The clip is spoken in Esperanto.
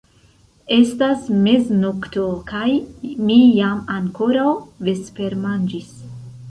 Estas meznokto, kaj mi ne ankoraŭ vespermanĝis.